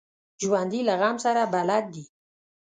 ژوندي له غم سره بلد دي